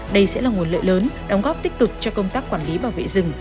đây sẽ là nguồn lợi lớn đóng góp tích cực cho công tác quản lý bảo vệ rừng